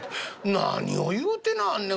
『何を言うてなはんねん？